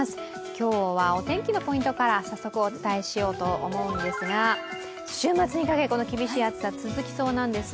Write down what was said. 今日はお天気のポイントから早速お伝えしようと思うんですが、週末にかけ、この厳しい暑さ続きそうなんです。